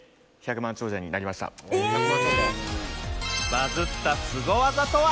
バズったスゴ技とは？